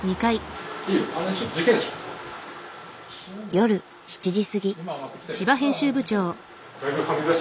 夜７時過ぎ。